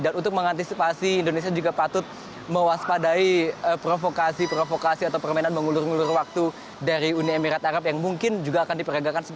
dan untuk mengantisipasi indonesia juga patut mewaspadai provokasi provokasi atau permainan mengulur ngulur waktu dari uni emirat arab yang mungkin juga akan diperagakan